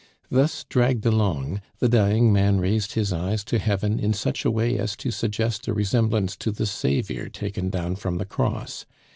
Thus dragged along, the dying man raised his eyes to heaven in such a way as to suggest a resemblance to the Saviour taken down from the Cross.